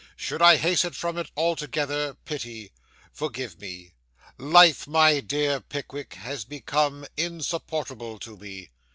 Should I hasten from it altogether, pity forgive me. Life, my dear Pickwick, has become insupportable to me.